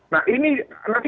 nah ini nanti